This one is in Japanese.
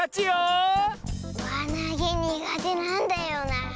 わなげにがてなんだよなあ。